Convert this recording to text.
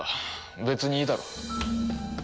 別にいいだろう。